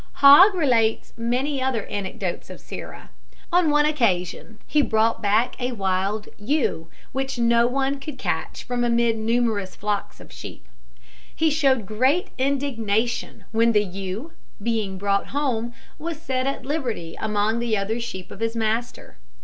Hogg relates many other anecdotes of Sirrah. On one occasion he brought back a wild ewe which no one could catch from amid numerous flocks of sheep. He showed great indignation when the ewe, being brought home, was set at liberty among the other sheep of his master.